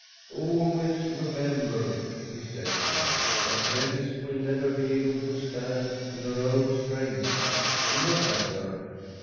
* Always remember,' he said to them, * that Venice will never be able to stand in her own strength. Look at her